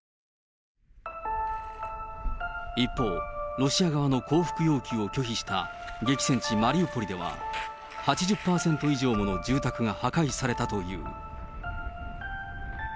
一方、ロシア側の降伏要求を拒否した激戦地、マリウポリでは、８０％以上もの住宅が破壊されたという。